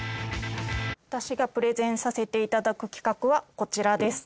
私がプレゼンさせて頂く企画はこちらです。